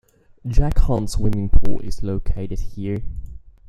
Jack Hunt swimming pool is located here.